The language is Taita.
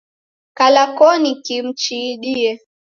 Kala koni kimu chiidie.